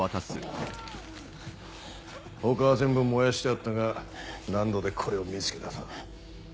他は全部燃やしてあったが納戸でこれを見つけたぞ。